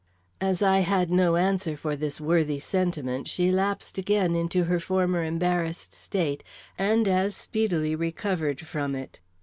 As I had no answer for this worthy sentiment, she lapsed again into her former embarrassed state and as speedily recovered from it.